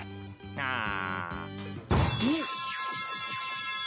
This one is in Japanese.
ああ。